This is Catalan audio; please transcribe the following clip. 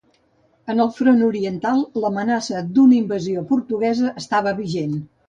En el front oriental l'amenaça d'una invasió portuguesa estava vigent.